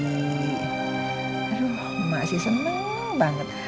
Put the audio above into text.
aduh masih seneng banget